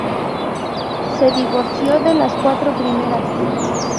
Se divorció de las cuatro primeras.